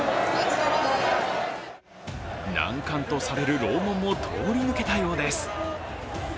難関とされる楼門も通り抜けたようです。